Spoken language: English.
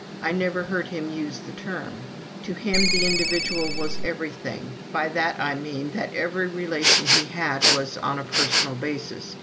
I never heard him use the term. To him the Individual was everything by that I mean that every relation he had was on a personal basis.